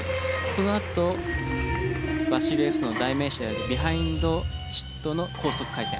そのあとバシリエフスの代名詞であるビハインドシットの高速回転。